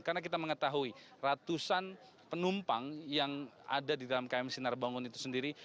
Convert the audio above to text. karena kita mengetahui ratusan penumpang yang ada di dalam km sinar bangun itu sendiri